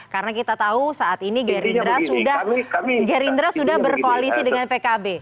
karena kita tahu saat ini gerindra sudah berkoalisi dengan pkb